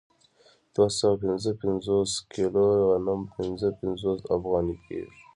دوه سوه پنځه پنځوس کیلو غنم پنځه پنځوس افغانۍ کېږي